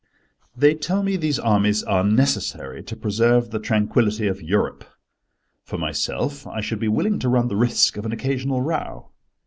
They tell me these armies are necessary to preserve the tranquility of Europe. For myself, I should be willing to run the risk of an occasional row.